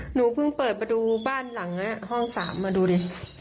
หนูเพิ่งเปิดประตูบ้านหลังห้อง๓มาดูดิ